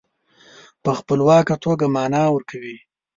په خپلواکه توګه معنا ورکوي.